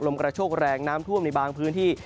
กระโชกแรงน้ำท่วมในบางพื้นที่